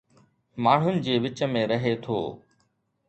ماڻهن جي وچ ۾ رهي ٿو